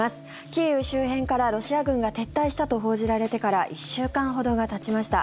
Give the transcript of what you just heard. キーウ周辺からロシア軍が撤退したと報じられてから１週間ほどがたちました。